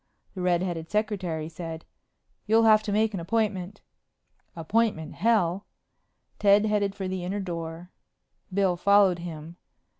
The red headed secretary said, "You'll have to make an appointment." "Appointment hell!" Ted headed for the inner door. Bill followed him.